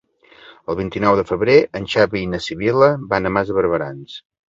El vint-i-nou de febrer en Xavi i na Sibil·la van a Mas de Barberans.